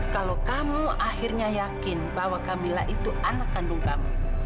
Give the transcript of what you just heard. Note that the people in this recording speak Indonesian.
kalau kamu akhirnya yakin bahwa kamila itu anak kandung kamu